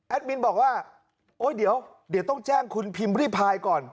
แอดมินบอกว่าเดี๋ยวต้องแจ้งคุณพิมพ์รีไพรก่อน